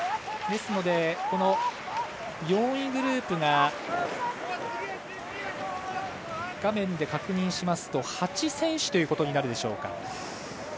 ですので、４位グループが画面で確認しますと８人となるでしょうか。